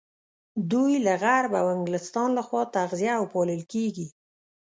دوی له غرب او انګلستان لخوا تغذيه او پالل کېږي.